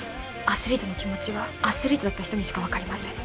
アスリートの気持ちはアスリートだった人にしか分かりません・